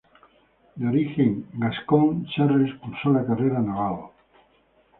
De origen gascón, Serres cursó la carrera naval.